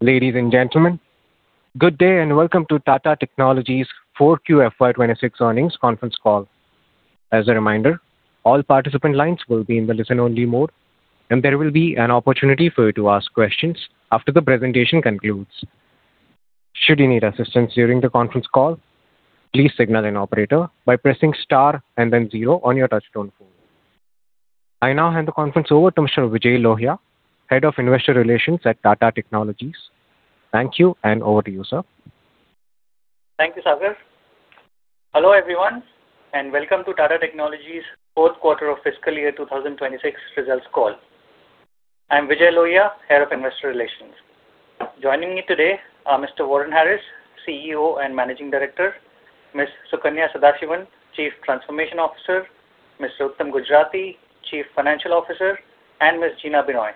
Ladies and gentlemen, good day. Welcome to Tata Technologies 4Q FY 2026 earnings conference call. As a reminder, all participant lines will be in the listen-only mode. There will be an opportunity for you to ask questions after the presentation concludes. Should you need assistance during the conference call, please signal an operator by pressing star and then zero on your touchtone phone. I now hand the conference over to Mr. Vijay Lohia, Head of Investor Relations at Tata Technologies. Thank you. Over to you, sir. Thank you, Sagar. Hello, everyone, and welcome to Tata Technologies fourth quarter of fiscal year 2026 results call. I'm Vijay Lohia, Head of Investor Relations. Joining me today are Mr. Warren Harris, CEO and Managing Director, Ms. Sukanya Sadasivan, Chief Transformation Officer, Mr. Uttam Gujrati, Chief Financial Officer, and Ms. Gina Binoy,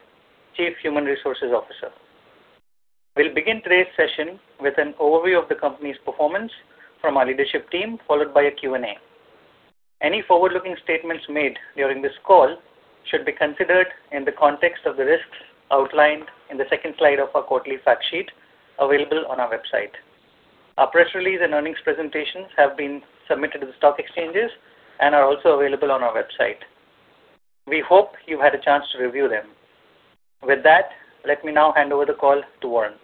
Chief Human Resources Officer. We'll begin today's session with an overview of the company's performance from our leadership team, followed by a Q&A. Any forward-looking statements made during this call should be considered in the context of the risks outlined in the second slide of our quarterly fact sheet available on our website. Our press release and earnings presentations have been submitted to the stock exchanges and are also available on our website. We hope you had a chance to review them. With that, let me now hand over the call to Warren.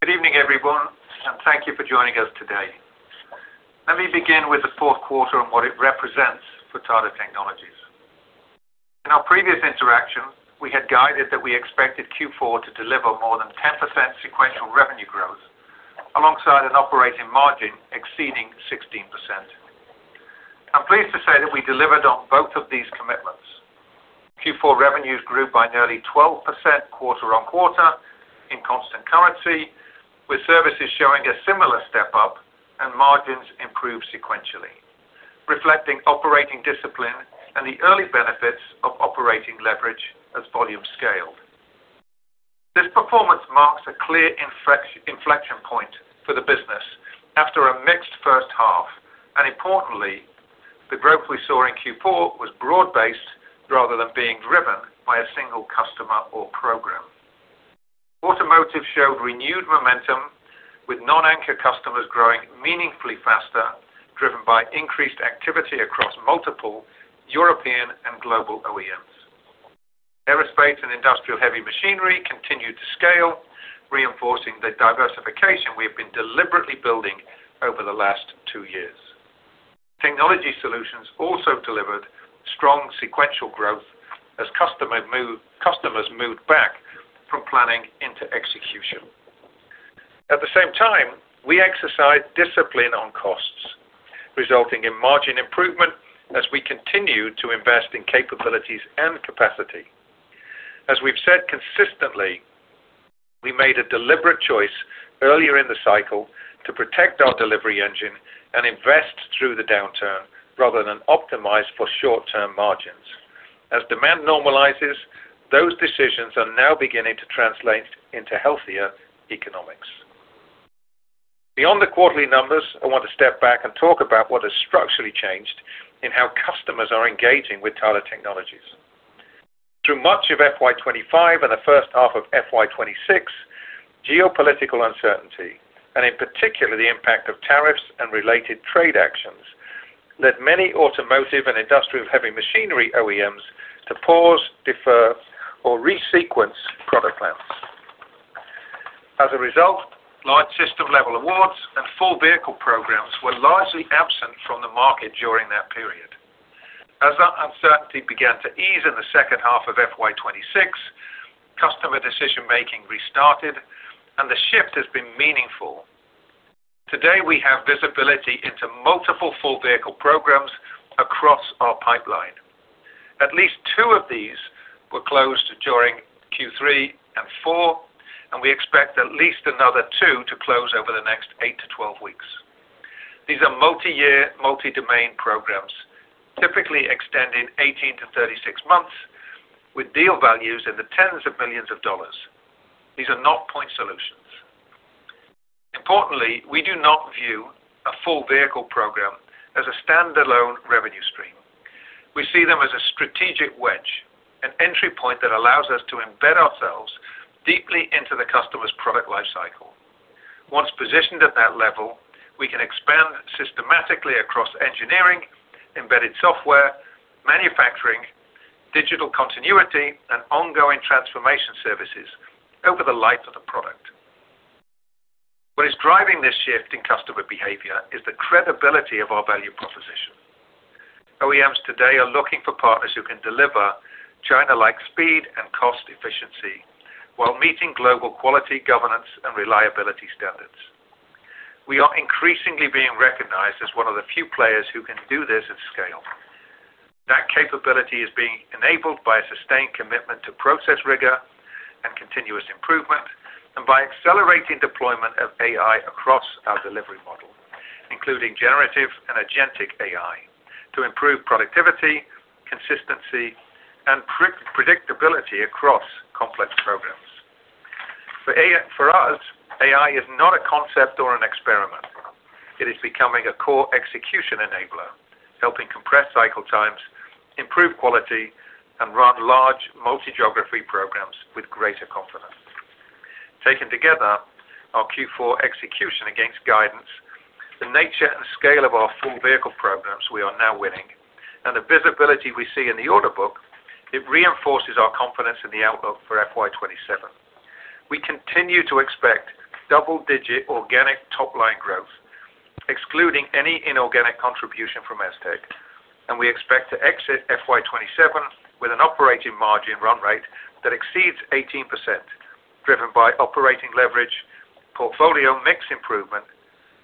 Good evening, everyone, and thank you for joining us today. Let me begin with the fourth quarter and what it represents for Tata Technologies. In our previous interaction, we had guided that we expected Q4 to deliver more than 10% sequential revenue growth alongside an operating margin exceeding 16%. I'm pleased to say that we delivered on both of these commitments. Q4 revenues grew by nearly 12% quarter-on-quarter in constant currency, with services showing a similar step-up and margins improved sequentially, reflecting operating discipline and the early benefits of operating leverage as volume scaled. This performance marks a clear inflection point for the business after a mixed first half, and importantly, the growth we saw in Q4 was broad-based rather than being driven by a single customer or program. Automotive showed renewed momentum, with non-anchor customers growing meaningfully faster, driven by increased activity across multiple European and global OEMs. Aerospace and industrial heavy machinery continued to scale, reinforcing the diversification we have been deliberately building over the last two years. Technology solutions also delivered strong sequential growth as customers moved back from planning into execution. At the same time, we exercised discipline on costs, resulting in margin improvement as we continued to invest in capabilities and capacity. As we've said consistently, we made a deliberate choice earlier in the cycle to protect our delivery engine and invest through the downturn rather than optimize for short-term margins. As demand normalizes, those decisions are now beginning to translate into healthier economics. Beyond the quarterly numbers, I want to step back and talk about what has structurally changed in how customers are engaging with Tata Technologies. Through much of FY 2025 and the first half of FY 2026, geopolitical uncertainty, and in particular, the impact of tariffs and related trade actions, led many automotive and industrial heavy machinery OEMs to pause, defer, or resequence product plans. As a result, large system-level awards and full vehicle programs were largely absent from the market during that period. As that uncertainty began to ease in the second half of FY 2026, customer decision-making restarted, and the shift has been meaningful. Today, we have visibility into multiple full vehicle programs across our pipeline. At least two of these were closed during Q3 and Q4, and we expect at least another two to close over the next eight to 12 weeks. These are multi-year, multi-domain programs, typically extending 18 to 36 months with deal values in the tens of millions of dollars. These are not point solutions. Importantly, we do not view a full vehicle program as a standalone revenue stream. We see them as a strategic wedge, an entry point that allows us to embed ourselves deeply into the customer's product life cycle. Once positioned at that level, we can expand systematically across engineering, embedded software, manufacturing, digital continuity, and ongoing transformation services over the life of the product. What is driving this shift in customer behavior is the credibility of our value proposition. OEMs today are looking for partners who can deliver China-like speed and cost efficiency while meeting global quality, governance, and reliability standards. We are increasingly being recognized as one of the few players who can do this at scale. That capability is being enabled by a sustained commitment to process rigor and continuous improvement by accelerating deployment of AI across our delivery model, including generative and agentic AI, to improve productivity, consistency, and predictability across complex programs. For us, AI is not a concept or an experiment. It is becoming a core execution enabler, helping compress cycle times, improve quality, and run large multi-geography programs with greater confidence. Taken together, our Q4 execution against guidance, the nature and scale of our full vehicle programs we are now winning, and the visibility we see in the order book, it reinforces our confidence in the outlook for FY 2027. We continue to expect double-digit organic top-line growth, excluding any inorganic contribution from ES-Tec, we expect to exit FY 2027 with an operating margin run rate that exceeds 18%, driven by operating leverage, portfolio mix improvement,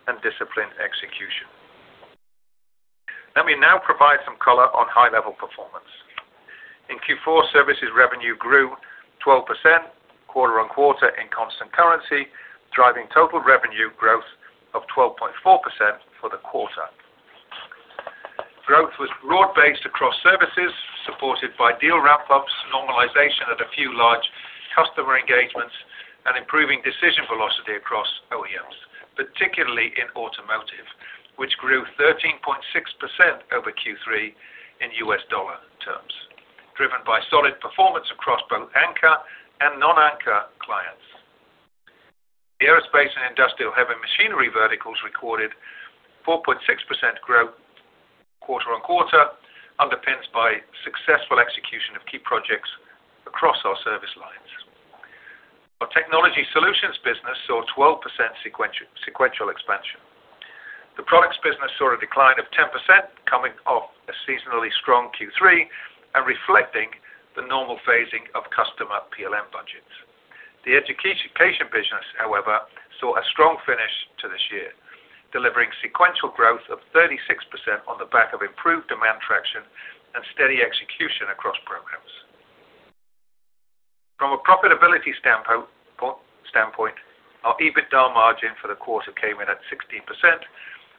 and disciplined execution. Let me now provide some color on high-level performance. In Q4, services revenue grew 12% quarter-on-quarter in constant currency, driving total revenue growth of 12.4% for the quarter. Growth was broad-based across services, supported by deal ramp-ups, normalization at a few large customer engagements, and improving decision velocity across OEMs, particularly in automotive, which grew 13.6% over Q3 in U.S. dollar terms, driven by solid performance across both anchor and non-anchor clients. The aerospace and industrial heavy machinery verticals recorded 4.6% growth quarter-on-quarter, underpins by successful execution of key projects across our service lines. Our technology solutions business saw 12% sequential expansion. The products business saw a decline of 10% coming off a seasonally strong Q3 and reflecting the normal phasing of customer PLM budgets. The education business, however, saw a strong finish to this year, delivering sequential growth of 36% on the back of improved demand traction and steady execution across programs. From a profitability standpoint, our EBITDA margin for the quarter came in at 16%,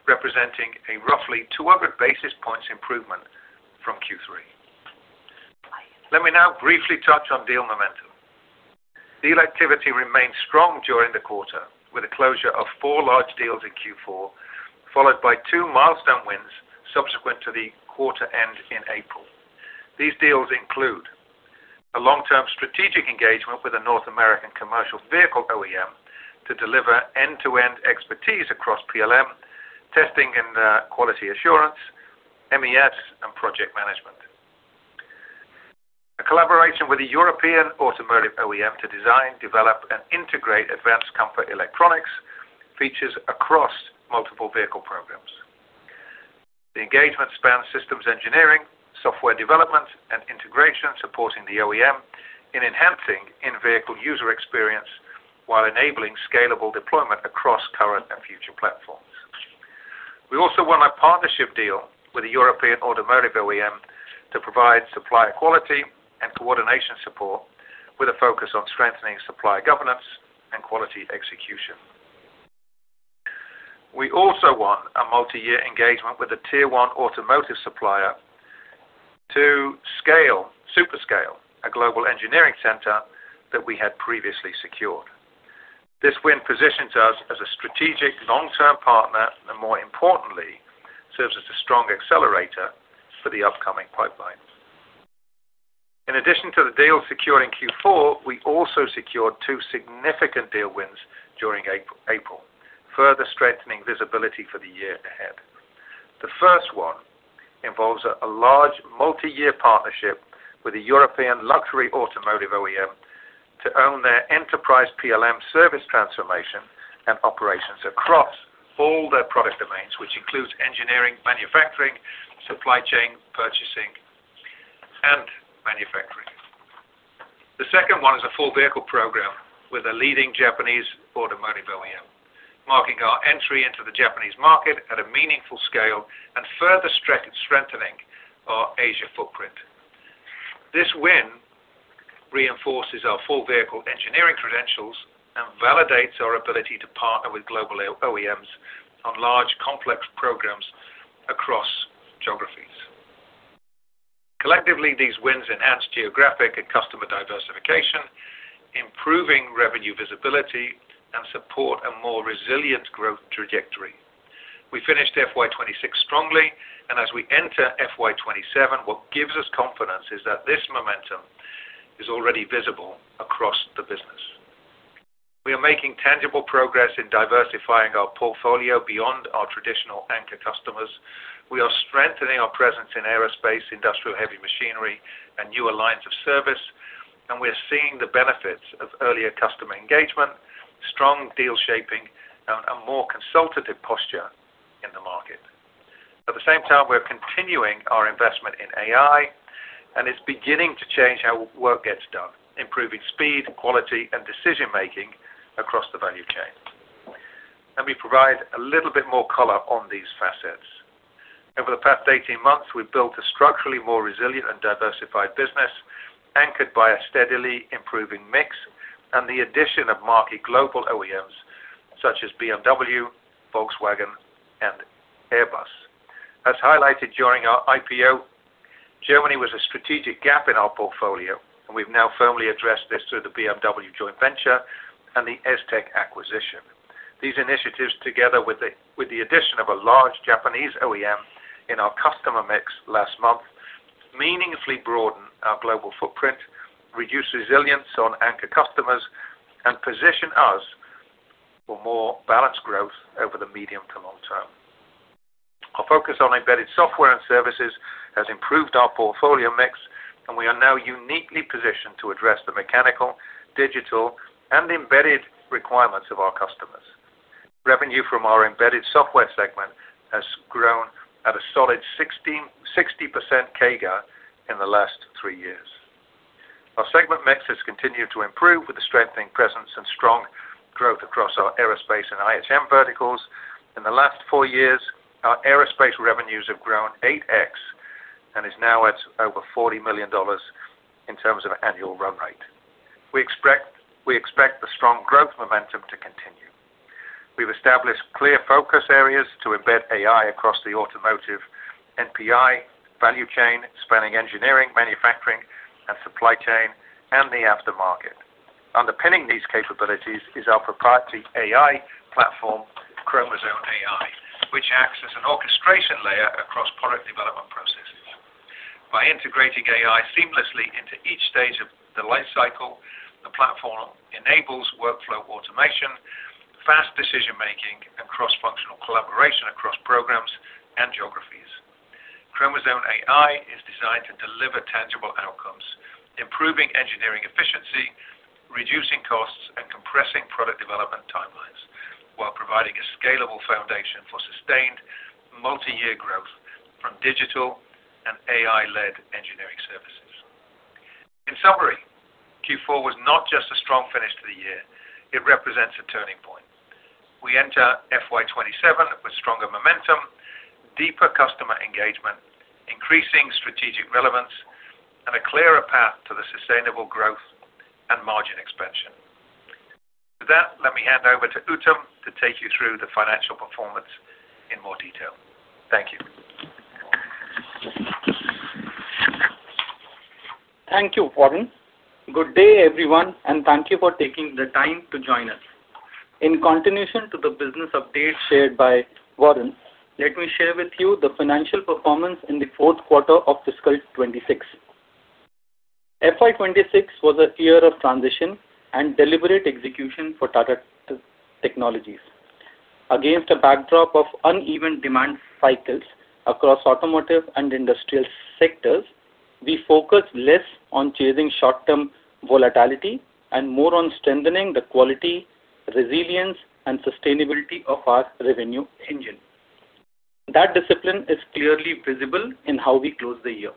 representing a roughly 200 basis points improvement from Q3. Let me now briefly touch on deal momentum. Deal activity remained strong during the quarter, with a closure of four large deals in Q4, followed by two milestone wins subsequent to the quarter end in April. These deals include a long-term strategic engagement with a North American commercial vehicle OEM to deliver end-to-end expertise across PLM, testing and quality assurance, MES, and project management. A collaboration with a European automotive OEM to design, develop, and integrate advanced comfort electronics features across multiple vehicle programs. The engagement spans systems engineering, software development, and integration, supporting the OEM in enhancing in-vehicle user experience while enabling scalable deployment across current and future platforms. We also won a partnership deal with a European automotive OEM to provide supplier quality and coordination support with a focus on strengthening supplier governance and quality execution. We also won a multi-year engagement with a tier-one automotive supplier to super scale a global engineering center that we had previously secured. This win positions us as a strategic long-term partner, and more importantly, serves as a strong accelerator for the upcoming pipeline. In addition to the deal secured in Q4, we also secured two significant deal wins during April, further strengthening visibility for the year ahead. The first one involves a large multi-year partnership with a European luxury automotive OEM to own their enterprise PLM service transformation and operations across all their product domains, which includes engineering, manufacturing, supply chain, purchasing, and manufacturing. The second one is a full vehicle program with a leading Japanese automotive OEM, marking our entry into the Japanese market at a meaningful scale and further strengthening our Asia footprint. This win reinforces our full vehicle engineering credentials and validates our ability to partner with global OEMs on large, complex programs across geographies. Collectively, these wins enhance geographic and customer diversification, improving revenue visibility, and support a more resilient growth trajectory. We finished FY 2026 strongly, and as we enter FY 2027, what gives us confidence is that this momentum is already visible across the business. We are making tangible progress in diversifying our portfolio beyond our traditional anchor customers. We are strengthening our presence in aerospace, industrial heavy machinery, and newer lines of service, and we are seeing the benefits of earlier customer engagement, strong deal shaping, and a more consultative posture in the market. At the same time, we're continuing our investment in AI, and it's beginning to change how work gets done, improving speed, quality, and decision-making across the value chain. Let me provide a little bit more color on these facets. Over the past 18 months, we've built a structurally more resilient and diversified business, anchored by a steadily improving mix and the addition of marquee global OEMs such as BMW, Volkswagen, and Airbus. As highlighted during our IPO, Germany was a strategic gap in our portfolio, and we've now firmly addressed this through the BMW TechWorks India and the ES-Tec acquisition. These initiatives, together with the addition of a large Japanese OEM in our customer mix last month, meaningfully broaden our global footprint, reduce reliance on anchor customers, and position us for more balanced growth over the medium to long term. Our focus on embedded software and services has improved our portfolio mix. We are now uniquely positioned to address the mechanical, digital, and embedded requirements of our customers. Revenue from our embedded software segment has grown at a solid 60% CAGR in the last three years. Our segment mix has continued to improve with the strengthening presence and strong growth across our aerospace and IHM verticals. In the last four years, our aerospace revenues have grown 8x and is now at over $40 million in terms of annual run rate. We expect the strong growth momentum to continue. We've established clear focus areas to embed AI across the automotive NPI value chain, spanning engineering, manufacturing, and supply chain, and the aftermarket. Underpinning these capabilities is our proprietary AI platform, Chromosome AI, which acts as an orchestration layer across product development processes. By integrating AI seamlessly into each stage of the life cycle, the platform enables workflow automation, fast decision-making, and cross-functional collaboration across programs and geographies. Chromosome AI is designed to deliver tangible outcomes, improving engineering efficiency, reducing costs, and compressing product development timelines while providing a scalable foundation for sustained multi-year growth from digital and AI-led engineering services. In summary, Q4 was not just a strong finish to the year, it represents a turning point. We enter FY 2027 with stronger momentum, deeper customer engagement, increasing strategic relevance, and a clearer path to the sustainable growth and margin expansion. With that, let me hand over to Uttam to take you through the financial performance in more detail. Thank you. Thank you, Warren. Good day, everyone. Thank you for taking the time to join us. In continuation to the business update shared by Warren, let me share with you the financial performance in the fourth quarter of fiscal 2026. FY 2026 was a year of transition and deliberate execution for Tata Technologies. Against a backdrop of uneven demand cycles across automotive and industrial sectors, we focus less on chasing short-term volatility and more on strengthening the quality, resilience, and sustainability of our revenue engine. That discipline is clearly visible in how we close the year.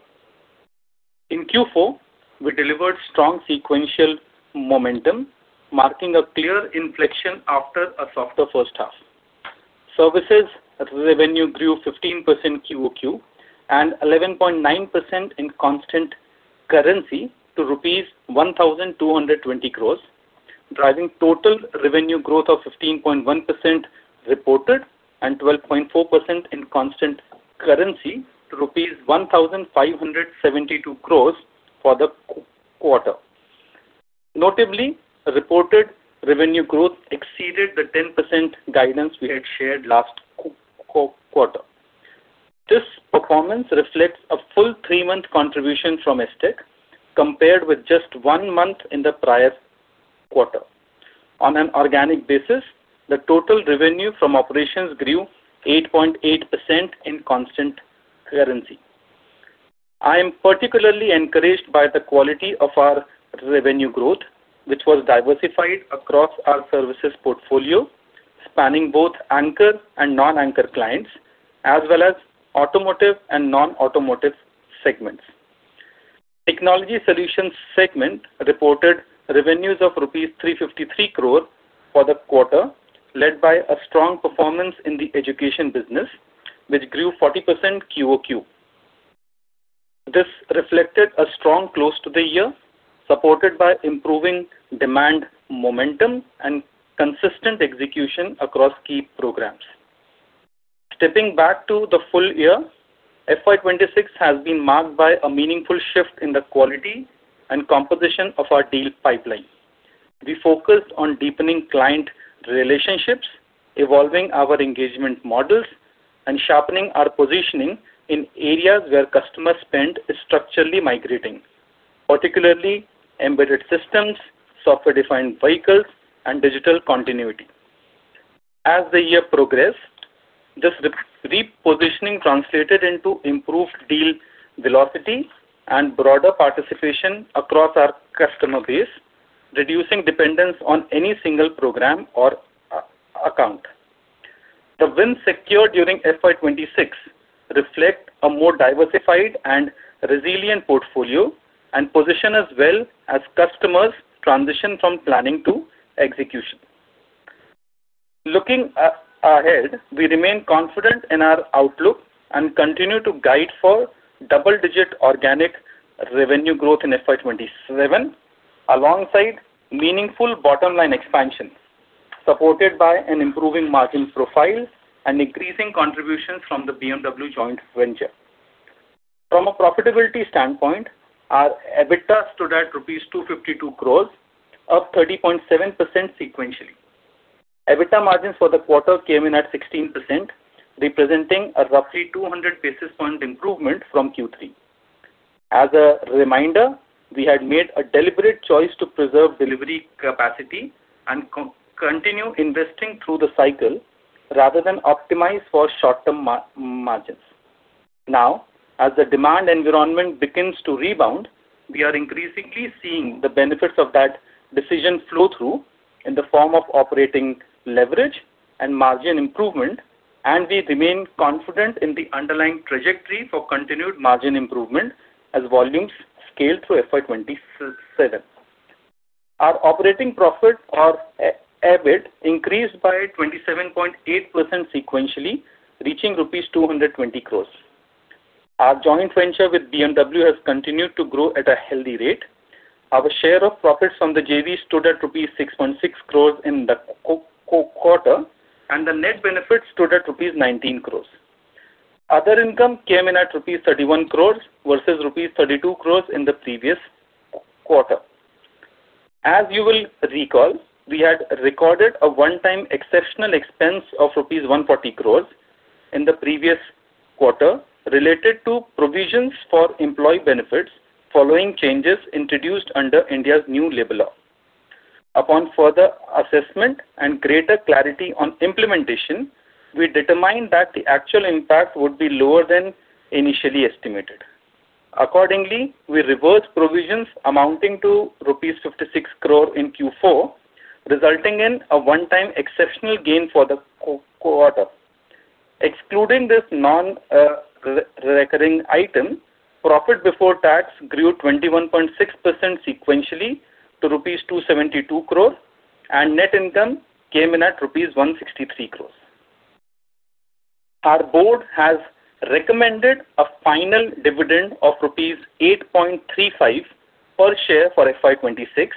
In Q4, we delivered strong sequential momentum, marking a clear inflection after a softer first half. Services revenue grew 15% QoQ and 11.9% in constant currency to rupees 1,220 crore, driving total revenue growth of 15.1% reported and 12.4% in constant currency to rupees 1,572 crore for the quarter. Notably, reported revenue growth exceeded the 10% guidance we had shared last quarter. This performance reflects a full three-month contribution from ES-Tec, compared with just 1 month in the prior quarter. On an organic basis, the total revenue from operations grew 8.8% in constant currency. I am particularly encouraged by the quality of our revenue growth, which was diversified across our services portfolio, spanning both anchor and non-anchor clients, as well as automotive and non-automotive segments. Technology solutions segment reported revenues of rupees 353 crores for the quarter, led by a strong performance in the education business, which grew 40% QoQ. This reflected a strong close to the year, supported by improving demand momentum and consistent execution across key programs. Stepping back to the full year, FY 2026 has been marked by a meaningful shift in the quality and composition of our deal pipeline. We focused on deepening client relationships, evolving our engagement models, and sharpening our positioning in areas where customer spend is structurally migrating, particularly embedded systems, software-defined vehicles, and digital continuity. As the year progressed, this repositioning translated into improved deal velocity and broader participation across our customer base, reducing dependence on any single program or account. The wins secured during FY 2026 reflect a more diversified and resilient portfolio and position us well as customers transition from planning to execution. Looking ahead, we remain confident in our outlook and continue to guide for double-digit organic revenue growth in FY 2027, alongside meaningful bottom-line expansion. Supported by an improving margin profile and increasing contributions from the BMW TechWorks India. From a profitability standpoint, our EBITDA stood at INR 252 crores, up 30.7% sequentially. EBITDA margins for the quarter came in at 16%, representing a roughly 200 basis point improvement from Q3. As a reminder, we had made a deliberate choice to preserve delivery capacity and continue investing through the cycle rather than optimize for short-term margins. Now, as the demand environment begins to rebound, we are increasingly seeing the benefits of that decision flow through in the form of operating leverage and margin improvement. We remain confident in the underlying trajectory for continued margin improvement as volumes scale through FY 2027. Our operating profit or EBIT increased by 27.8% sequentially, reaching rupees 220 crores. Our joint venture with BMW has continued to grow at a healthy rate. Our share of profits from the JV stood at rupees 6.6 crores in the quarter, and the net benefit stood at rupees 19 crores. Other income came in at rupees 31 crores versus rupees 32 crores in the previous quarter. As you will recall, we had recorded a one-time exceptional expense of rupees 140 crores in the previous quarter related to provisions for employee benefits following changes introduced under India's new labor law. Upon further assessment and greater clarity on implementation, we determined that the actual impact would be lower than initially estimated. Accordingly, we reversed provisions amounting to rupees 56 crore in Q4, resulting in a one-time exceptional gain for the quarter. Excluding this non-recurring item, profit before tax grew 21.6% sequentially to rupees 272 crores, and net income came in at rupees 163 crores. Our board has recommended a final dividend of rupees 8.35 per share for FY 2026,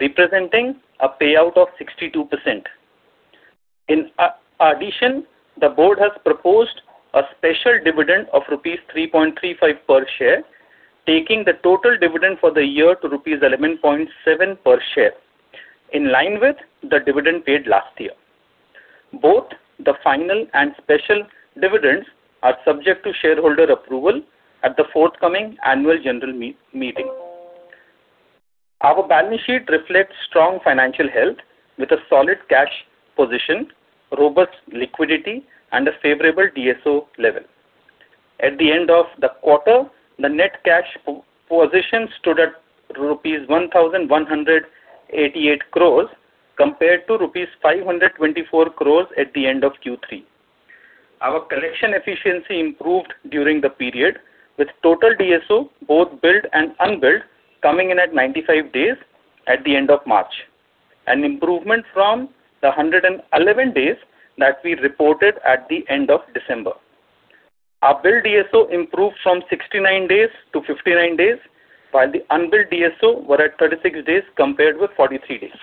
representing a payout of 62%. In addition, the board has proposed a special dividend of rupees 3.35 per share, taking the total dividend for the year to rupees 11.7 per share, in line with the dividend paid last year. Both the final and special dividends are subject to shareholder approval at the forthcoming annual general meeting. Our balance sheet reflects strong financial health with a solid cash position, robust liquidity and a favorable DSO level. At the end of the quarter, the net cash position stood at rupees 1,188 crores compared to rupees 524 crores at the end of Q3. Our collection efficiency improved during the period, with total DSO, both billed and unbilled, coming in at 95 days at the end of March, an improvement from the 111 days that we reported at the end of December. Our billed DSO improved from 69 days to 59 days, while the unbilled DSO were at 36 days compared with 43 days.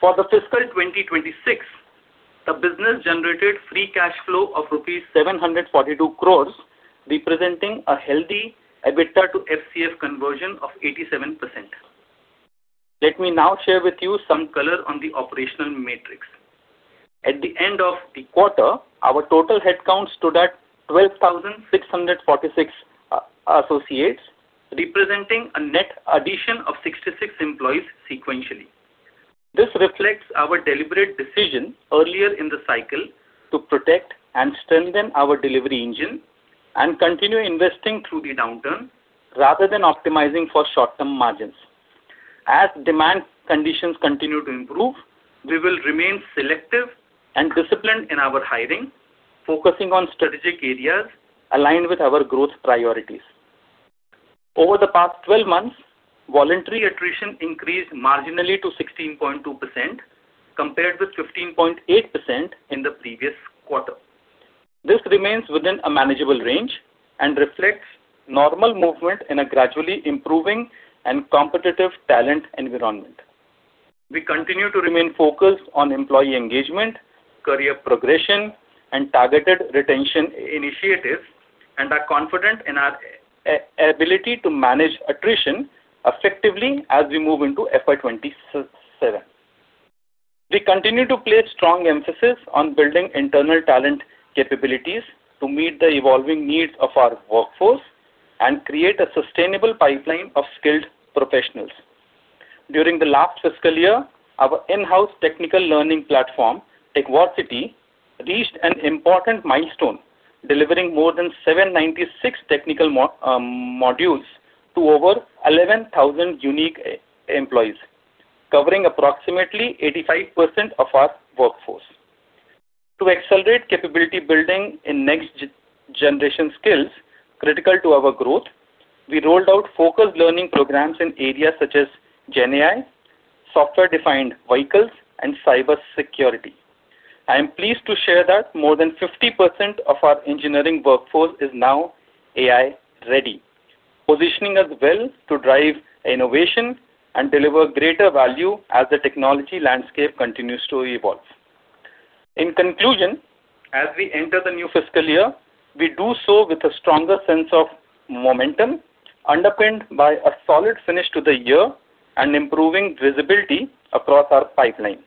For the fiscal 2026, the business generated free cash flow of rupees 742 crores, representing a healthy EBITDA to FCF conversion of 87%. Let me now share with you some color on the operational matrix. At the end of the quarter, our total headcount stood at 12,646 associates, representing a net addition of 66 employees sequentially. This reflects our deliberate decision earlier in the cycle to protect and strengthen our delivery engine and continue investing through the downturn rather than optimizing for short-term margins. As demand conditions continue to improve, we will remain selective and disciplined in our hiring, focusing on strategic areas aligned with our growth priorities. Over the past 12 months, voluntary attrition increased marginally to 16.2%, compared with 15.8% in the previous quarter. This remains within a manageable range and reflects normal movement in a gradually improving and competitive talent environment. We continue to remain focused on employee engagement, career progression, and targeted retention initiatives, and are confident in our ability to manage attrition effectively as we move into FY 2027. We continue to place strong emphasis on building internal talent capabilities to meet the evolving needs of our workforce and create a sustainable pipeline of skilled professionals. During the last fiscal year, our in-house technical learning platform, TechVarsity, reached an important milestone, delivering more than 796 technical modules to over 11,000 unique employees, covering approximately 85% of our workforce. To accelerate capability building in next generation skills critical to our growth, we rolled out focused learning programs in areas such as GenAI, software-defined vehicles, and cybersecurity. I am pleased to share that more than 50% of our engineering workforce is now AI ready, positioning us well to drive innovation and deliver greater value as the technology landscape continues to evolve. In conclusion, as we enter the new fiscal year, we do so with a stronger sense of momentum underpinned by a solid finish to the year and improving visibility across our pipeline.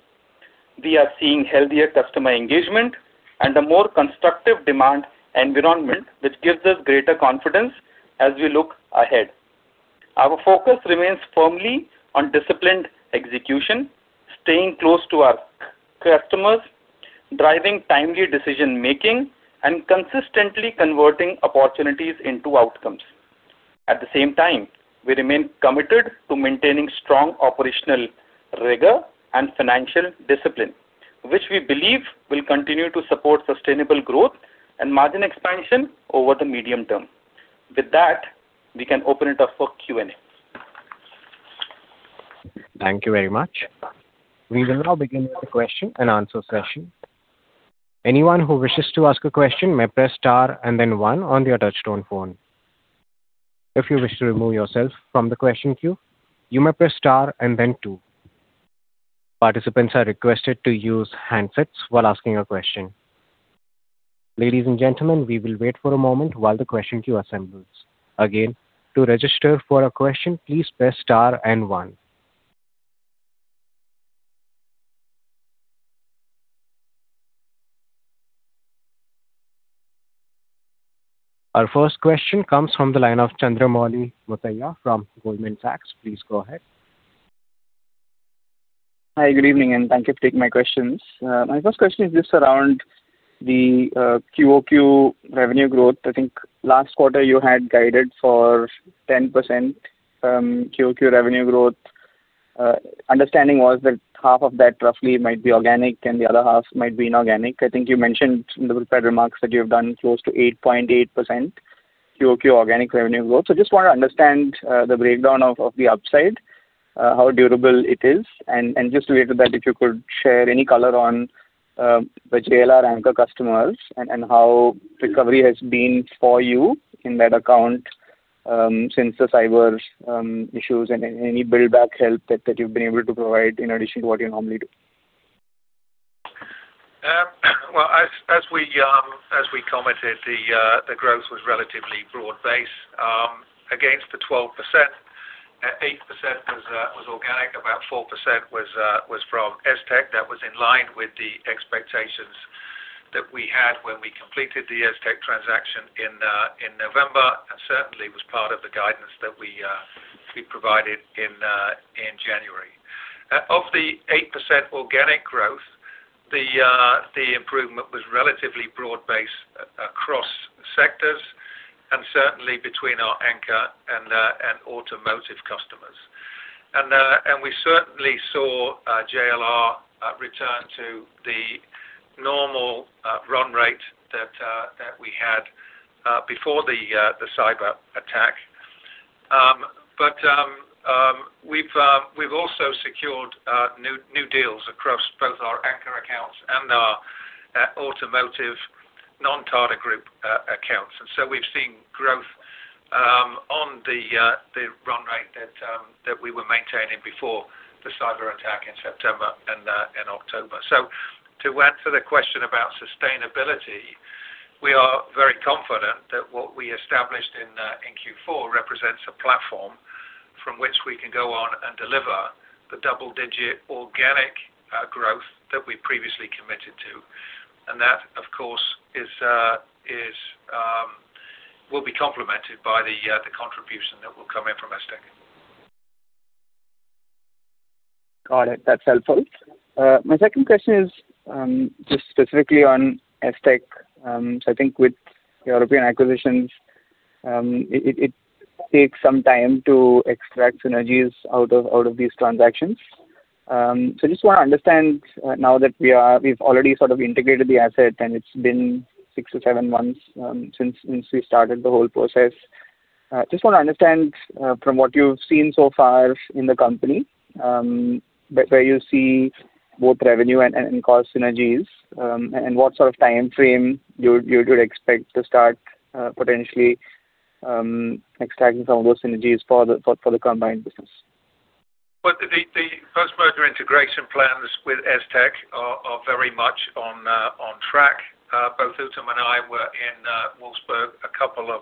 We are seeing healthier customer engagement and a more constructive demand environment, which gives us greater confidence as we look ahead. Our focus remains firmly on disciplined execution, staying close to our customers, driving timely decision-making, and consistently converting opportunities into outcomes. At the same time, we remain committed to maintaining strong operational rigor and financial discipline, which we believe will continue to support sustainable growth and margin expansion over the medium term. With that, we can open it up for Q&A. Thank you very much. We will now begin the question and answer session. Anyone who wishes to ask a question may press star and then one on your touchtone phone. If you wish to remove yourself from the question queue, you may press star and then two. Participants are requested to use handsets while asking a question. Ladies and gentlemen, we will wait for a moment while the question queue assembles. Again, to register for a question, please press star and one. Our first question comes from the line of Chandramouli Muthiah from Goldman Sachs. Please go ahead. Hi, good evening, and thank you for taking my questions. My first question is just around the QoQ revenue growth. I think last quarter you had guided for 10% QoQ revenue growth. Understanding was that half of that roughly might be organic and the other half might be inorganic. I think you mentioned in the prepared remarks that you have done close to 8.8% QoQ organic revenue growth. Just want to understand the breakdown of the upside, how durable it is, and just related to that if you could share any color on the JLR anchor customers and how recovery has been for you in that account since the cyber issues and any build back help that you've been able to provide in addition to what you normally do. As we commented, the growth was relatively broad-based. Against the 12%, 8% was organic. About 4% was from ES-Tec. That was in line with the expectations that we had when we completed the ES-Tec transaction in November, and certainly was part of the guidance that we provided in January. Of the 8% organic growth, the improvement was relatively broad-based across sectors and certainly between our anchor and automotive customers. We certainly saw JLR return to the normal run rate that we had before the cyber attack. We've also secured new deals across both our anchor accounts and our automotive non-Tata Group accounts. We've seen growth on the run rate that we were maintaining before the cyber attack in September and in October. To answer the question about sustainability, we are very confident that what we established in Q4 represents a platform from which we can go on and deliver the double-digit organic growth that we previously committed to. That, of course, is will be complemented by the contribution that will come in from ES-Tec. Got it. That's helpful. My second question is, just specifically on ES-Tec. I think with European acquisitions, it takes some time to extract synergies out of these transactions. Just wanna understand, now that we've already sort of integrated the asset and it's been six to seven months, since we started the whole process. Just wanna understand, from what you've seen so far in the company, where you see both revenue and cost synergies, and what sort of timeframe you'd expect to start, potentially extracting some of those synergies for the combined business. Well, the post-merger integration plans with ES-Tec are very much on track. Both Uttam and I were in Wolfsburg a couple of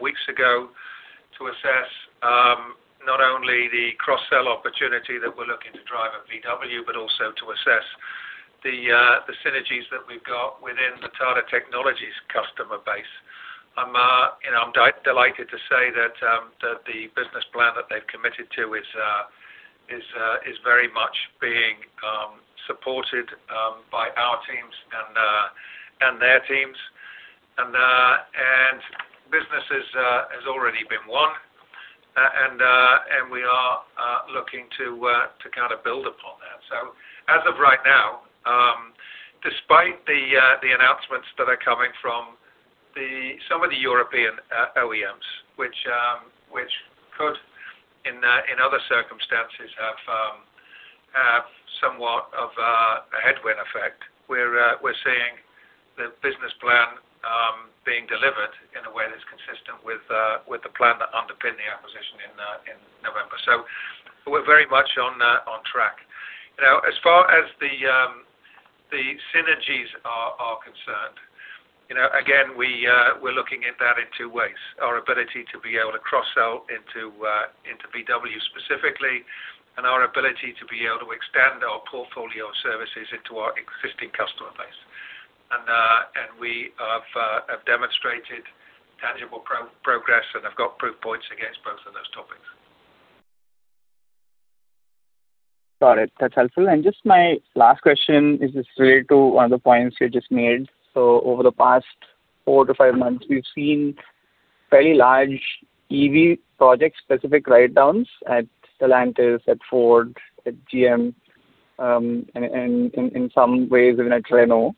weeks ago to assess not only the cross-sell opportunity that we're looking to drive at VW, but also to assess the synergies that we've got within the Tata Technologies customer base. I'm, you know, I'm delighted to say that the business plan that they've committed to is very much being supported by our teams and their teams. Business has already been won, and we are looking to kind of build upon that. As of right now, despite the announcements that are coming from some of the European OEMs, which in other circumstances have somewhat of a headwind effect. We're seeing the business plan being delivered in a way that's consistent with the plan that underpinned the acquisition in November. We're very much on track. As far as the synergies are concerned, you know, again, we're looking at that in two ways. Our ability to be able to cross-sell into VW specifically, and our ability to be able to extend our portfolio of services into our existing customer base. We have demonstrated tangible progress, and have got proof points against both of those topics. Got it. That's helpful. Just my last question is just related to one of the points you just made. Over the past 4 to 5 months, we've seen fairly large EV project specific write-downs at Stellantis, at Ford, at GM, and in some ways even at Renault.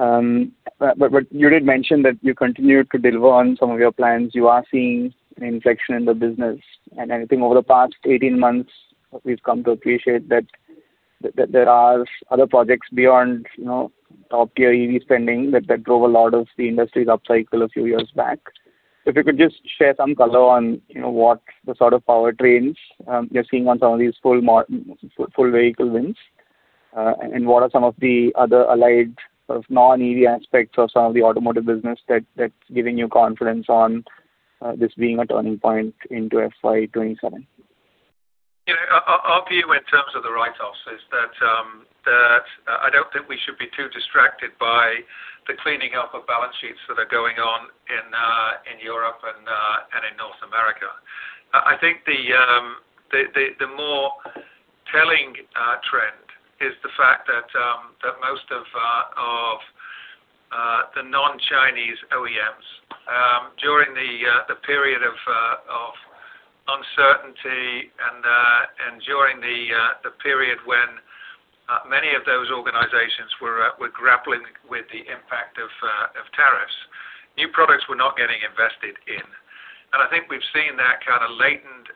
You did mention that you continued to deliver on some of your plans. You are seeing an inflection in the business. I think over the past 18 months, we've come to appreciate that there are other projects beyond, you know, top-tier EV spending that drove a lot of the industry's upcycle a few years back. If you could just share some color on, you know, what the sort of powertrains you're seeing on some of these full vehicle wins. What are some of the other allied sort of non-EV aspects of some of the automotive business that's giving you confidence on, this being a turning point into FY 2027? You know, our view in terms of the write-offs is that I don't think we should be too distracted by the cleaning up of balance sheets that are going on in Europe and in North America. I think the more telling trend is the fact that most of the non-Chinese OEMs, during the period of uncertainty and during the period when many of those organizations were grappling with the impact of tariffs, new products were not getting invested in. I think we've seen that kind of latent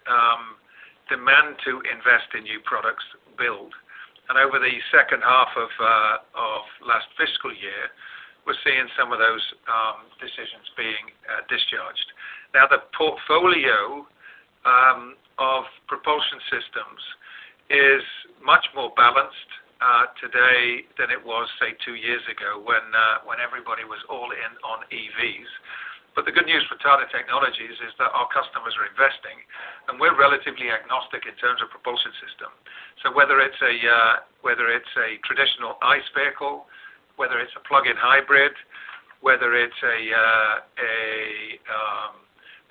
demand to invest in new products build. Over the second half of last fiscal year, we're seeing some of those decisions being discharged. The portfolio of propulsion systems is much more balanced today than it was, say, two years ago when everybody was all in on EVs. The good news for Tata Technologies is that our customers are investing, and we're relatively agnostic in terms of propulsion system. Whether it's a traditional ICE vehicle, whether it's a plug-in hybrid, whether it's a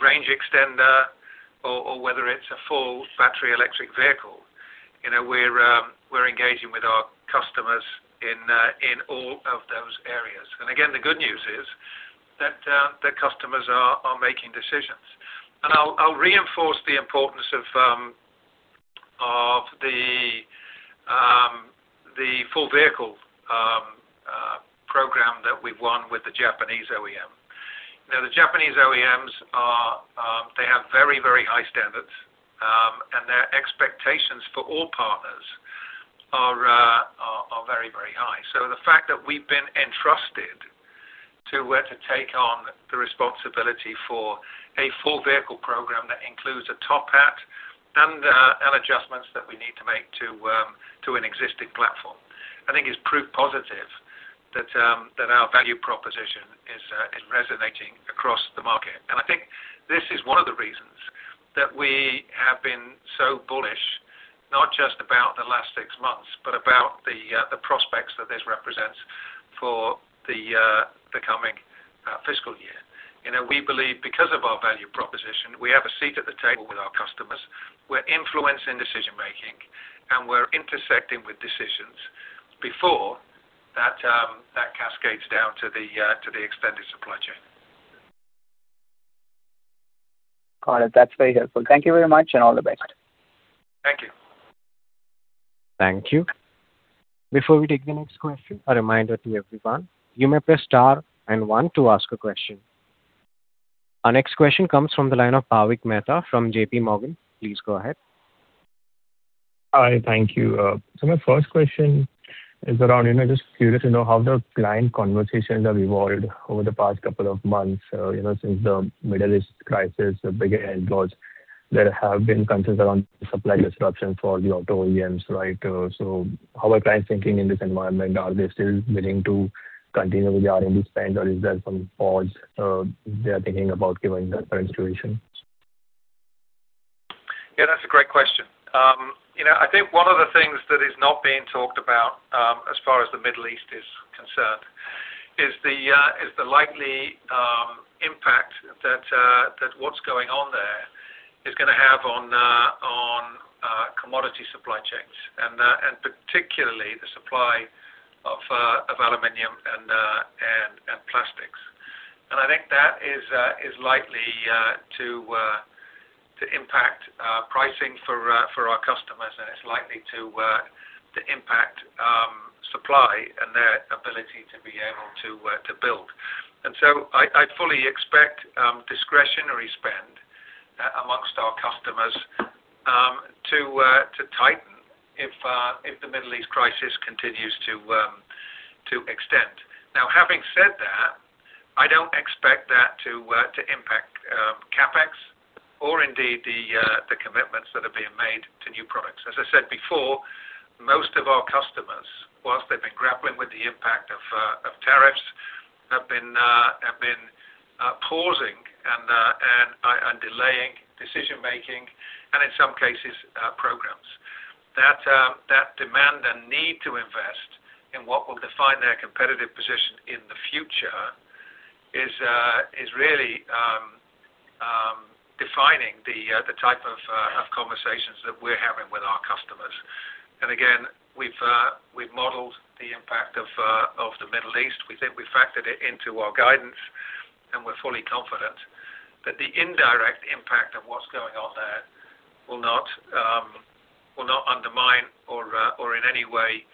range extender or whether it's a full battery electric vehicle, you know, we're engaging with our customers in all of those areas. Again, the good news is that the customers are making decisions. I'll reinforce the importance of the full vehicle program that we've won with the Japanese OEM. You know, the Japanese OEMs are, they have very, very high standards, and their expectations for all partners are very, very high. The fact that we've been entrusted to take on the responsibility for a full vehicle program that includes a top hat and adjustments that we need to make to an existing platform, I think is proof positive that our value proposition is resonating across the market. I think this is 1 of the reasons that we have been so bullish, not just about the last 6 months, but about the prospects that this represents for the coming fiscal year. You know, we believe because of our value proposition, we have a seat at the table with our customers. We're influencing decision-making, and we're intersecting with decisions before that cascades down to the extended supply chain. Got it. That's very helpful. Thank you very much, and all the best. Thank you. Thank you. Before we take the next question, a reminder to everyone, you may press star and one to ask a question. Our next question comes from the line of Bhavik Mehta from JPMorgan. Please go ahead. Hi. Thank you. My first question is around, you know, just curious to know how the client conversations have evolved over the past couple of months. You know, since the Middle East crisis began, there have been concerns around supply disruption for the auto OEMs, right? How are clients thinking in this environment? Are they still willing to continue with the R&D spend, or is there some pause they are thinking about given the current situation? Yeah, that's a great question. You know, I think one of the things that is not being talked about, as far as the Middle East is concerned is the likely impact that what's going on there is gonna have on commodity supply chains and particularly the supply of aluminum and plastics. I think that is likely to impact pricing for our customers, and it's likely to impact supply and their ability to be able to build. I fully expect discretionary spend amongst our customers to tighten if the Middle East crisis continues to extend. Now, having said that, I don't expect that to impact CapEx or indeed the commitments that are being made to new products. As I said before, most of our customers, whilst they've been grappling with the impact of tariffs, have been pausing and delaying decision-making and in some cases, programs. That demand and need to invest in what will define their competitive position in the future is really defining the type of conversations that we're having with our customers. Again, we've modeled the impact of the Middle East. We think we factored it into our guidance, and we're fully confident that the indirect impact of what's going on there will not, will not undermine or in any way,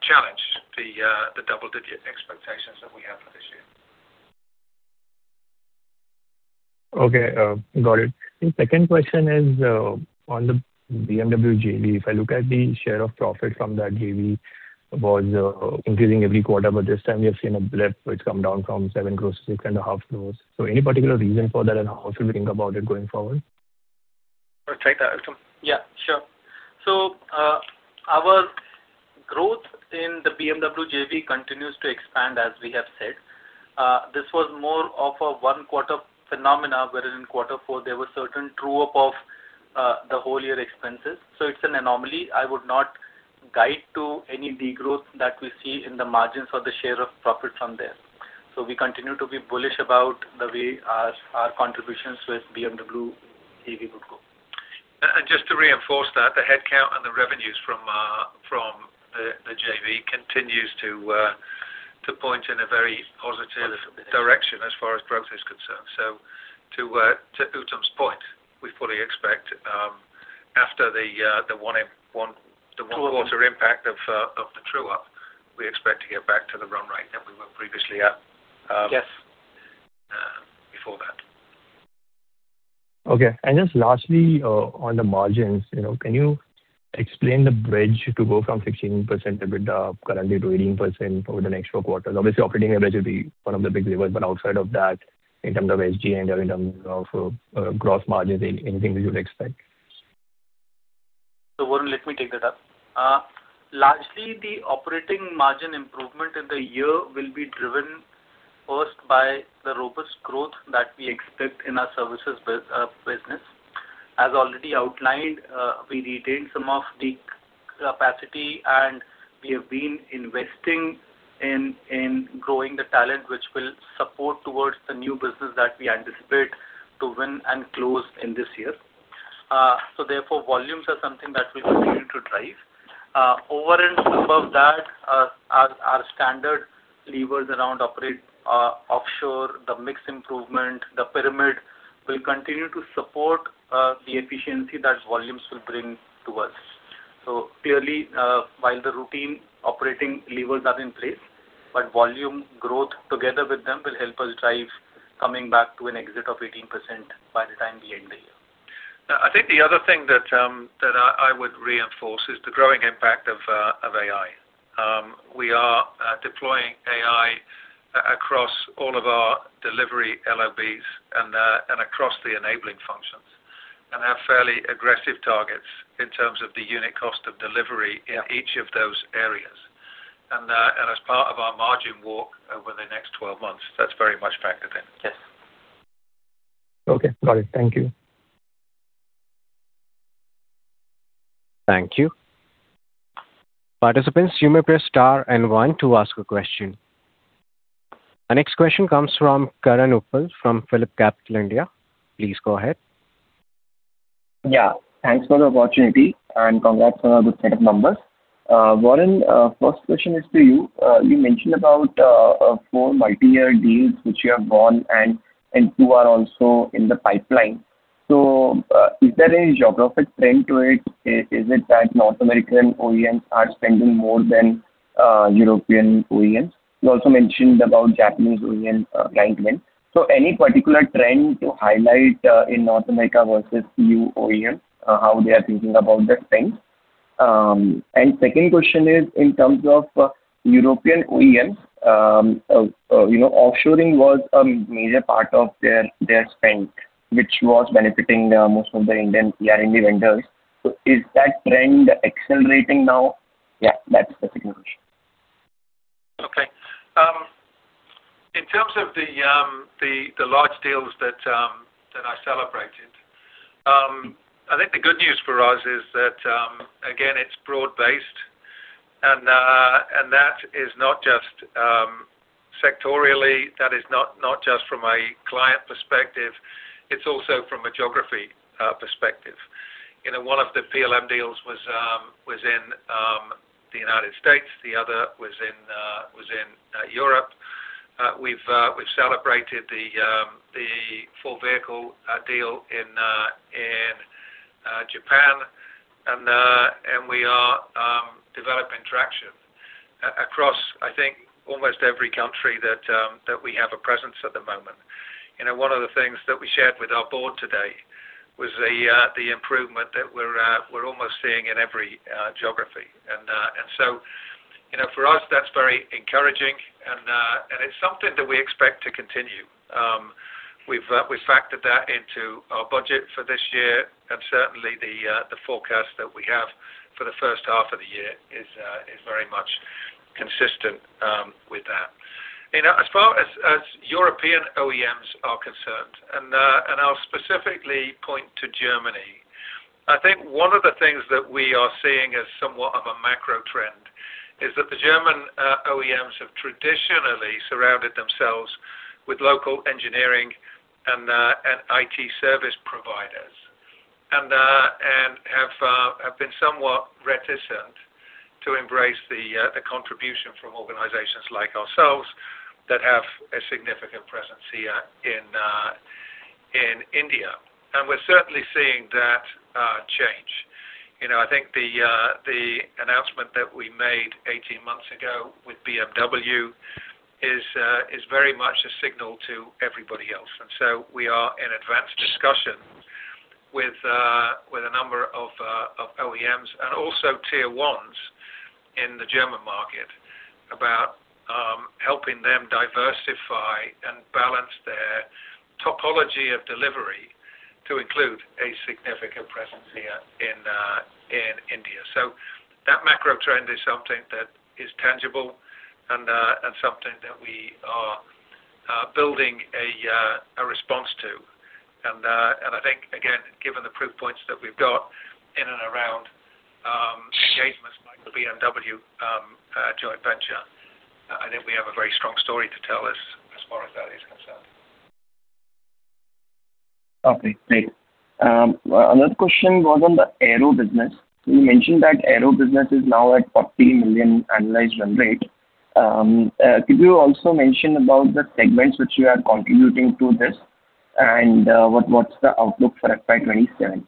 challenge the double-digit expectations that we have for this year. Okay, got it. The second question is on the BMW JV. If I look at the share of profit from that JV was increasing every quarter, but this time we have seen a blip where it's come down from 7 crore to 6.5 crore. Any particular reason for that, and how should we think about it going forward? I'll take that, Uttam. Yeah, sure. Our growth in the BMW JV continues to expand, as we have said. This was more of a one-quarter phenomena, wherein in quarter four there were certain true-up of the whole year expenses. It's an anomaly. I would not guide to any degrowth that we see in the margins or the share of profit from there. We continue to be bullish about the way our contributions with BMW JV would go. Just to reinforce that, the headcount and the revenues from the JV continues to point in a very positive. Wonderful -direction as far as growth is concerned. To Uttam's point, we fully expect after the 1-quarter impact of the true-up, we expect to get back to the run rate that we were previously at. Yes before that. Okay. Just lastly, on the margins, you know, can you explain the bridge to go from 16% EBITDA currently to 18% over the next four quarters? Obviously, operating leverage will be one of the big levers, but outside of that, in terms of SG&A, in terms of gross margin, anything that you'd expect. Warren, let me take that up. Largely, the operating margin improvement in the year will be driven first by the robust growth that we expect in our services business. As already outlined, we retained some of the capacity, and we have been investing in growing the talent which will support towards the new business that we anticipate to win and close in this year. Therefore, volumes are something that we continue to drive. Over and above that, our standard levers around operate offshore, the mix improvement, the pyramid will continue to support the efficiency that volumes will bring to us. Clearly, while the routine operating levers are in place, volume growth together with them will help us drive coming back to an exit of 18% by the time we end the year. I think the other thing that I would reinforce is the growing impact of AI. We are deploying AI across all of our delivery LOBs and across the enabling functions, and have fairly aggressive targets in terms of the unit cost of delivery. Yeah In each of those areas. As part of our margin walk over the next 12 months, that's very much factored in. Yes. Okay. Got it. Thank you. Thank you. Participants, you may press star and one to ask a question. Our next question comes from Karan Uppal from PhillipCapital India. Please go ahead. Yeah. Thanks for the opportunity. Congrats on the set of numbers. Warren, first question is to you. You mentioned about four multi-year deals which you have won and two are also in the pipeline. Is there any geographic trend to it? Is it that North American OEMs are spending more than European OEMs? You also mentioned about Japanese OEM pipeline. Any particular trend to highlight in North America versus EU OEMs, how they are thinking about their spend? Second question is in terms of European OEMs. You know, offshoring was a major part of their spend, which was benefiting most of the Indian R&D vendors. Is that trend accelerating now? Yeah, that's the second question. Okay. In terms of the large deals that I celebrated, I think the good news for us is that again, it's broad-based and that is not just sectorally, that is not just from a client perspective, it's also from a geography perspective. You know, one of the PLM deals was in the United States, the other was in Europe. We've celebrated the full vehicle deal in Japan. We are developing traction across, I think, almost every country that we have a presence at the moment. You know, one of the things that we shared with our board today was the improvement that we're almost seeing in every geography. You know, for us, that's very encouraging, and it's something that we expect to continue. We've factored that into our budget for this year, and certainly the forecast that we have for the first half of the year is very much consistent with that. You know, as far as European OEMs are concerned, I'll specifically point to Germany. I think one of the things that we are seeing as somewhat of a macro trend is that the German OEMs have traditionally surrounded themselves with local engineering and IT service providers. Have been somewhat reticent to embrace the contribution from organizations like ourselves that have a significant presence here in India. We're certainly seeing that change. You know, I think the announcement that we made 18 months ago with BMW is very much a signal to everybody else. We are in advanced discussions with a number of OEMs and also tier 1s in the German market about helping them diversify and balance their topology of delivery to include a significant presence here in India. That macro trend is something that is tangible and something that we are building a response to. I think, again, given the proof points that we've got in and around engagements like the BMW joint venture, I think we have a very strong story to tell as far as that is concerned. Okay, great. Another question was on the aero business. You mentioned that aero business is now at $40 million annualized run rate. Could you also mention about the segments which you are contributing to this and what's the outlook for FY 2027?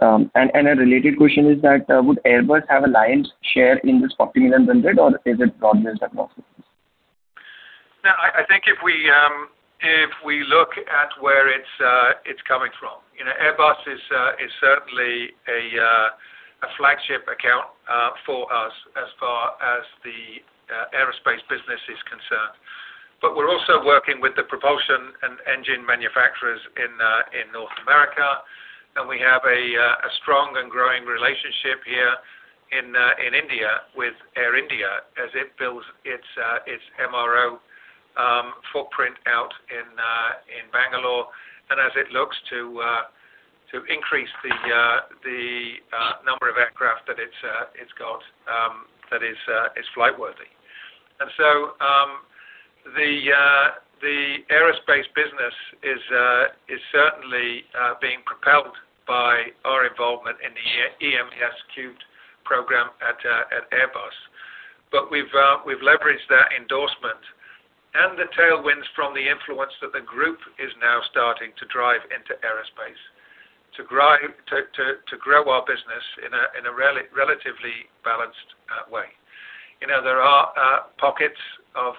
A related question is that would Airbus have a lion's share in this $40 million run rate or is it broad-based across? No, I think if we, if we look at where it's coming from. You know, Airbus is certainly a flagship account for us as far as the aerospace business is concerned. We're also working with the propulsion and engine manufacturers in North America. We have a strong and growing relationship here in India with Air India as it builds its MRO footprint out in Bangalore and as it looks to increase the number of aircraft that it's got that is flight worthy. The aerospace business is certainly being propelled by our involvement in the EMES3 program at Airbus. We've leveraged that endorsement and the tailwinds from the influence that the group is now starting to drive into aerospace to grow our business in a relatively balanced way. You know, there are pockets of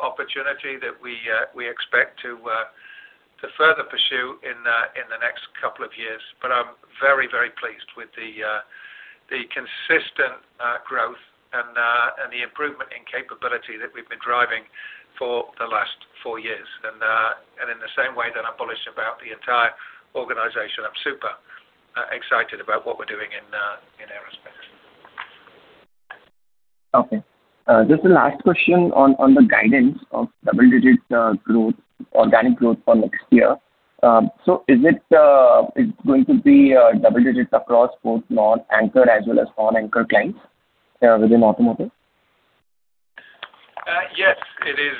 opportunity that we expect to further pursue in the next couple of years. I'm very, very pleased with the consistent growth and the improvement in capability that we've been driving for the last four years. In the same way that I'm bullish about the entire organization, I'm super excited about what we're doing in aerospace. Okay. Just the last question on the guidance of double-digit growth, organic growth for next year. Is it going to be double digits across both non-anchor as well as non-anchor clients within automotive? Yes, it is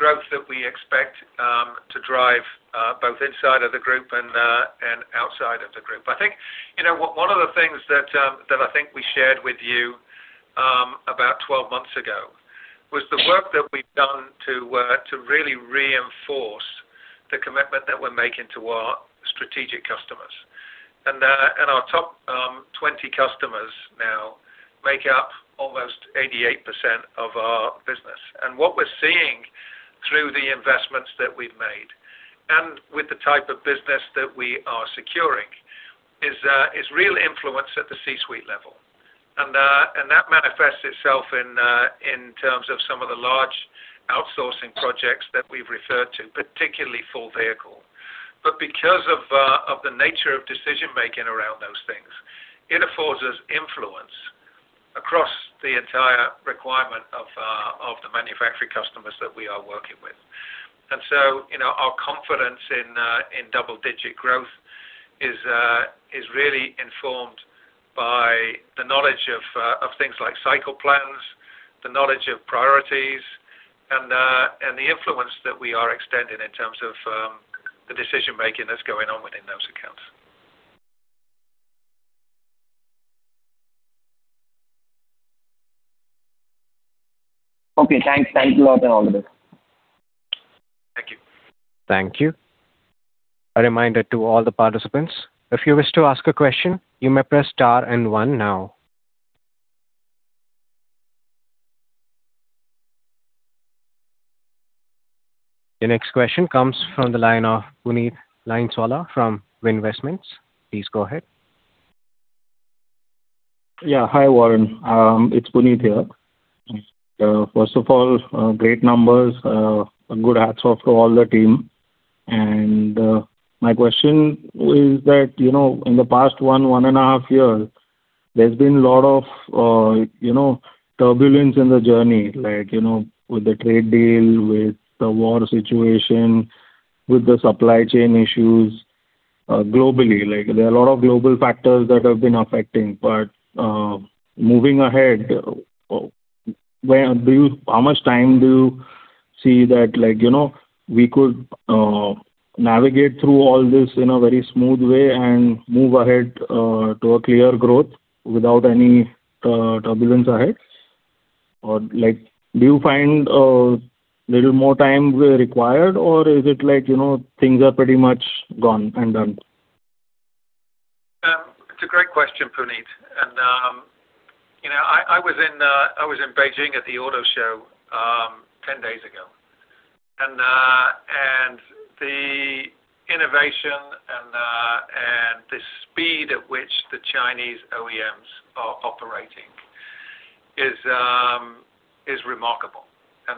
growth that we expect to drive both inside of the group and outside of the group. I think, you know, one of the things that I think we shared with you about 12 months ago was the work that we've done to really reinforce the commitment that we're making to our strategic customers. Our top 20 customers now make up almost 88% of our business. What we're seeing through the investments that we've made, and with the type of business that we are securing, is real influence at the C-suite level. That manifests itself in terms of some of the large outsourcing projects that we've referred to, particularly full vehicle. Because of the nature of decision-making around those things, it affords us influence across the entire requirement of the manufacturing customers that we are working with. You now, our confidence in double-digit growth is really informed by the knowledge of things like cycle plans, the knowledge of priorities and the influence that we are extending in terms of the decision-making that's going on within those accounts. Okay, thanks. Thank you. Thank you. Thank you. A reminder to all the participants, if you wish to ask a question, you may press star and one now. The next question comes from the line of Puneet Lineswala from Winvestments. Please go ahead. Yeah. Hi, Warren. It's Puneet here. First of all, great numbers. A good hats off to all the team. My question is that, you know, in the past 1.5 years, there's been a lot of, you know, turbulence in the journey, like, you know, with the trade deal, with the war situation, with the supply chain issues, globally. There are a lot of global factors that have been affecting. Moving ahead, how much time do you see that, like, you know, we could navigate through all this in a very smooth way and move ahead to a clear growth without any turbulence ahead? Like, do you find a little more time required or is it like, you know, things are pretty much gone and done? It's a great question, Puneet. You know, I was in Beijing at the auto show 10 days ago. The innovation and the speed at which the Chinese OEMs are operating is remarkable.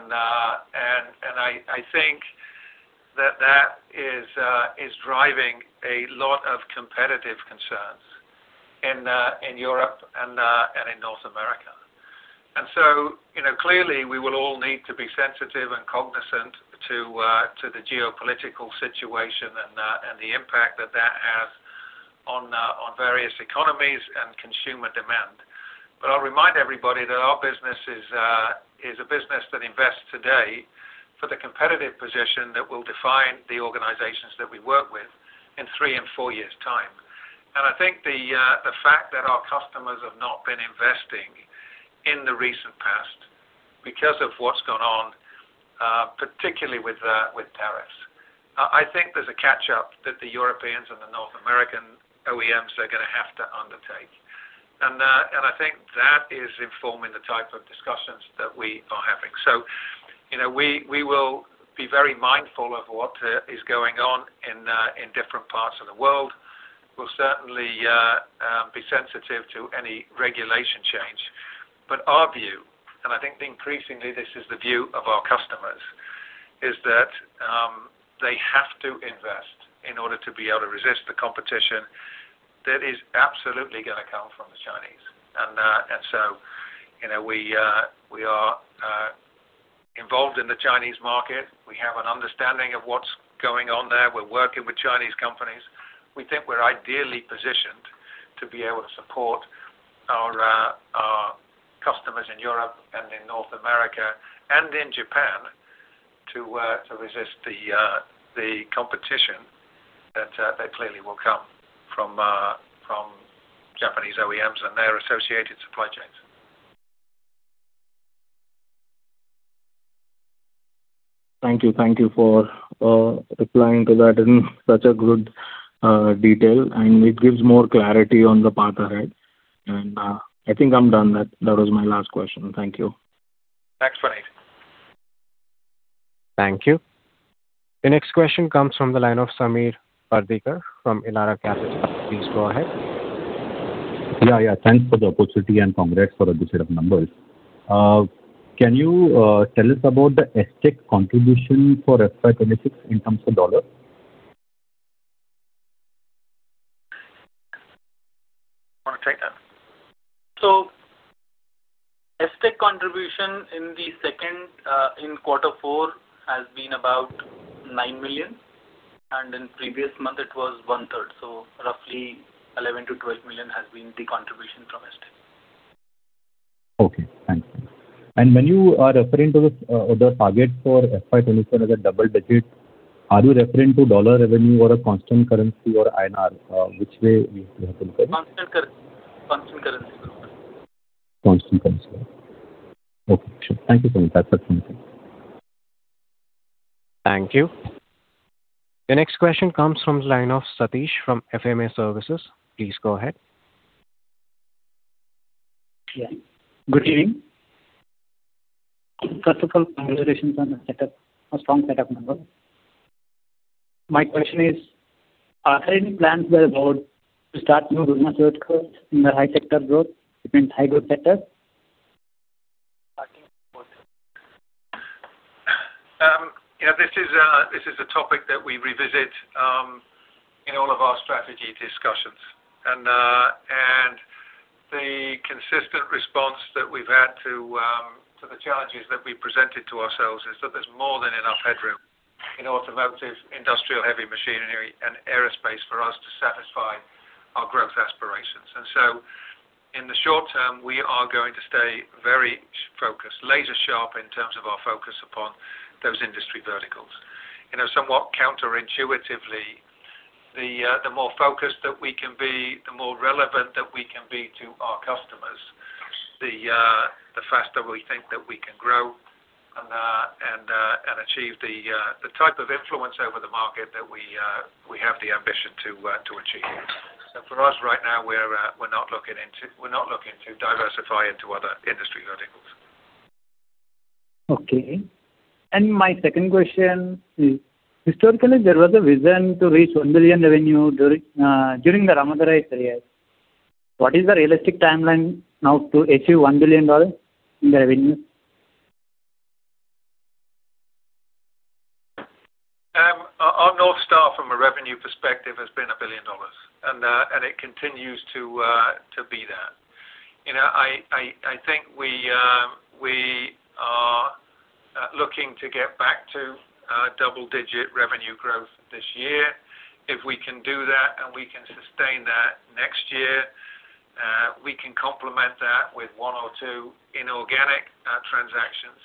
I think that that is driving a lot of competitive concerns in Europe and in North America. You know, clearly we will all need to be sensitive and cognizant to the geopolitical situation and the impact that that has on various economies and consumer demand. I'll remind everybody that our business is a business that invests today for the competitive position that will define the organizations that we work with in three and four years' time. I think the fact that our customers have not been investing in the recent past because of what's gone on, particularly with tariffs. I think there's a catch up that the Europeans and the North American OEMs are gonna have to undertake. I think that is informing the type of discussions that we are having. You know, we will be very mindful of what is going on in different parts of the world. We'll certainly be sensitive to any regulation change. Our view, and I think increasingly this is the view of our customers, is that they have to invest in order to be able to resist the competition that is absolutely gonna come from the Chinese. You know, we are, involved in the Chinese market. We have an understanding of what's going on there. We're working with Chinese companies. We think we're ideally positioned to be able to support our customers in Europe and in North America and in Japan to resist the competition that clearly will come from Japanese OEMs and their associated supply chains. Thank you. Thank you for replying to that in such a good detail, and it gives more clarity on the path ahead. I think I'm done. That was my last question. Thank you. Thanks, Puneet. Thank you. The next question comes from the line of Sameer Pardikar from Elara Capital. Please go ahead. Yeah, yeah. Thanks for the opportunity and congrats for a good set of numbers. Can you tell us about the ES-Tec contribution for FY 2026 in terms of dollar? Wanna take that? ES-Tec contribution in quarter four has been about 9 million, and in previous month it was one third. Roughly 11 million-12 million has been the contribution from ES-Tec. Okay, thanks. When you are referring to the target for FY 2027 as a double-digit, are you referring to dollar revenue or a constant currency or INR? Which way you have in mind? Constant currency. Constant currency. Okay, sure. Thank you, Samir. That's it from me. Thank you. The next question comes from the line of Satish from FMA Services. Please go ahead. Yeah. Good evening. First of all, congratulations on a strong set of numbers. My question is, are there any plans by the board to start new vertical in the high sector growth to maintain high growth factor? Yeah, this is a topic that we revisit in all of our strategy discussions. The consistent response that we've had to the challenges that we presented to ourselves is that there's more than enough headroom in automotive, industrial heavy machinery and aerospace for us to satisfy our growth aspirations. In the short term, we are going to stay very focused, laser sharp in terms of our focus upon those industry verticals. You know, somewhat counterintuitively, the more focused that we can be, the more relevant that we can be to our customers, the faster we think that we can grow, and achieve the type of influence over the market that we have the ambition to achieve. For us right now, we're not looking to diversify into other industry verticals. Okay. My second question is, historically, there was a vision to reach 1 billion revenue during the S. Ramadorai period. What is the realistic timeline now to achieve $1 billion in revenue? Our North Star from a revenue perspective has been $1 billion, and it continues to be that. You know, I think we are looking to get back to double-digit revenue growth this year. If we can do that and we can sustain that next year, we can complement that with one or two inorganic transactions.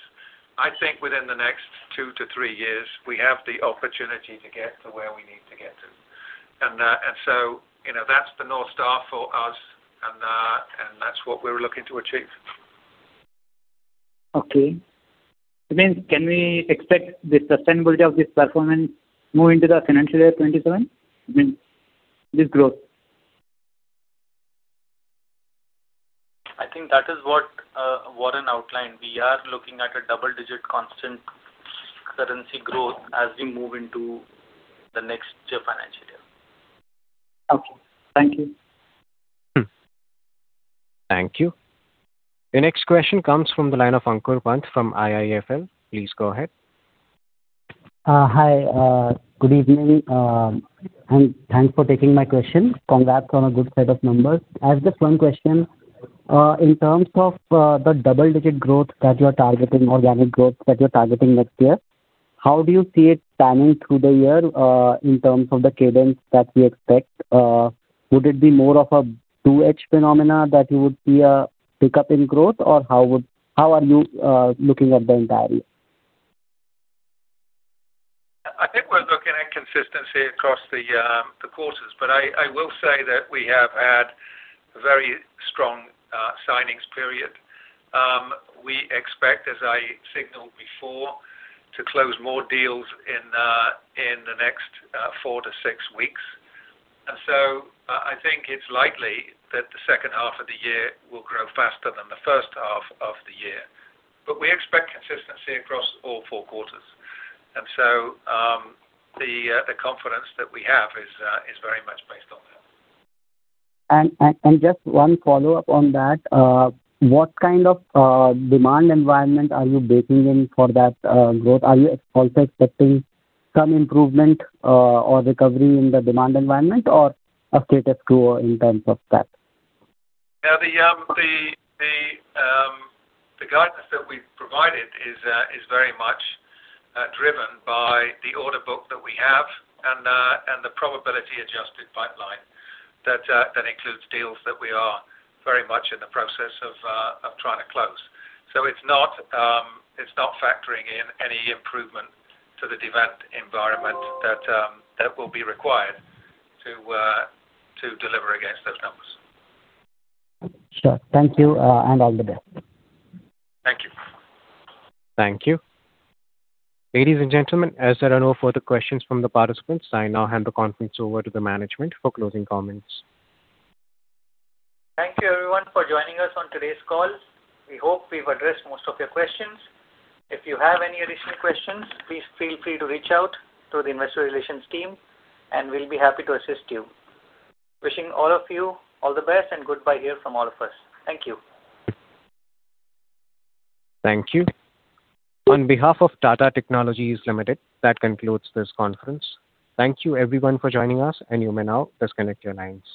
I think within the next two-three years, we have the opportunity to get to where we need to get to. You know, that's the North Star for us, and that's what we're looking to achieve. Okay. It means can we expect the sustainability of this performance moving to the financial year 2027? You mean, this growth? I think that is what Warren outlined. We are looking at a double-digit constant currency growth as we move into the next year financial year. Okay. Thank you. Thank you. The next question comes from the line of Ankur Pant from IIFL. Please go ahead. Hi. Good evening. Thanks for taking my question. Congrats on a good set of numbers. I have just 1 question. In terms of the double-digit growth that you're targeting, organic growth that you're targeting next year, how do you see it panning through the year in terms of the cadence that we expect? Would it be more of a two-edge phenomena that you would see a pickup in growth, or how would how are you looking at the entirety? I think we're looking at consistency across the quarters. I will say that we have had very strong signings period. We expect, as I signaled before, to close more deals in the next four to six weeks. I think it's likely that the second half of the year will grow faster than the first half of the year. We expect consistency across all four quarters. The confidence that we have is very much based on that. Just one follow-up on that. What kind of demand environment are you baking in for that growth? Are you also expecting some improvement or recovery in the demand environment or a status quo in terms of that? Yeah. The guidance that we've provided is very much driven by the order book that we have and the probability-adjusted pipeline that includes deals that we are very much in the process of trying to close. It's not factoring in any improvement to the demand environment that will be required to deliver against those numbers. Sure. Thank you, and all the best. Thank you. Thank you. Ladies and gentlemen, as there are no further questions from the participants, I now hand the conference over to the management for closing comments. Thank you everyone for joining us on today's call. We hope we've addressed most of your questions. If you have any additional questions, please feel free to reach out to the investor relations team, and we'll be happy to assist you. Wishing all of you all the best and goodbye here from all of us. Thank you. Thank you. On behalf of Tata Technologies Limited, that concludes this conference. Thank you everyone for joining us, and you may now disconnect your lines.